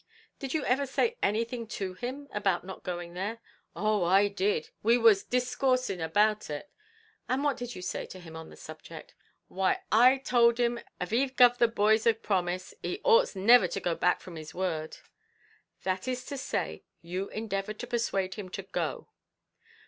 "Did you ever say anything to him about not going there?" "Oh, I did; we were discoursing about it." "And what did you say to him on the subject?" "Why, I towld him av he guv the boys a promise, he oughts never to go back from his word." "That is to say, you endeavoured to persuade him to go?"